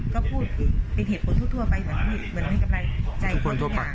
ก็พูดเป็นเหตุผลทั่วทั่วไปเหมือนเหมือนให้กำไรใจทุกคนทั่วไป